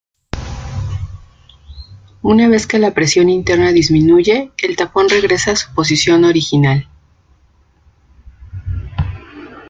Una vez que la presión interna disminuye el tapón regresa a su posición original.